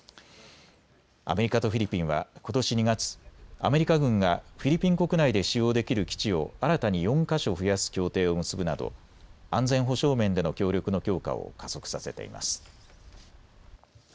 アメリカとフィリピンはことし２月、アメリカ軍がフィリピン国内で使用できる基地を新たに４か所増やす協定を結ぶなど安全保障面での協力の強化を加速させています。